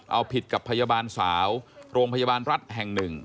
เอาผิดกับพยาบาลสาวโรงพยาบาลรัฐแห่งหนึ่ง